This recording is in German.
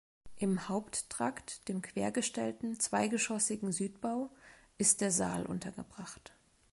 Im Haupttrakt, dem quergestellten zweigeschossigen Südbau, ist der Saal untergebracht.